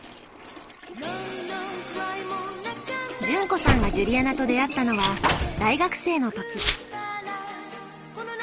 純子さんがジュリアナと出会ったのは大学生の時。